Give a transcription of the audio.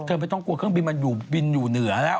ไม่ต้องกลัวเครื่องบินมันอยู่บินอยู่เหนือแล้ว